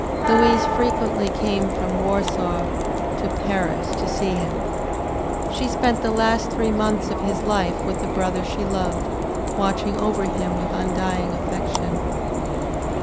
Louise frequently came from Warsaw to Paris to see him. She spent the last three months of his life with the brother she loved, watching over him with undying affection.